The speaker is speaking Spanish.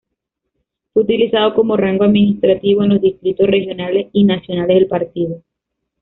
Fue utilizado como rango administrativo en los distritos, regionales y nacionales del partido.